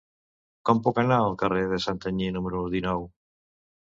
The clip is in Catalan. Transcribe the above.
Com puc anar al carrer de Santanyí número dinou?